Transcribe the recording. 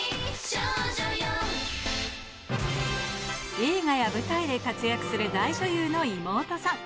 映画や舞台で活躍する大女優の妹さん。